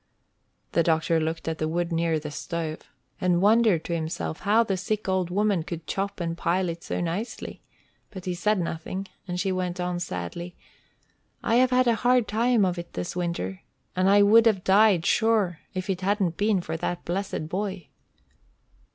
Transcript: The doctor looked at the wood near the stove, and wondered to himself how the sick old woman could chop and pile it so nicely; but he said nothing, and she went on sadly: "I have had a hard time of it this winter, and I would have died sure if it hadn't been for that blessed boy."